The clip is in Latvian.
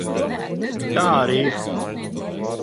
Tā arī ir.